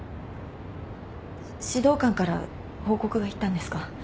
指導官から報告がいったんですか？